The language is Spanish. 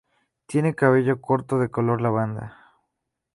Tiene cabello corto de color lavanda.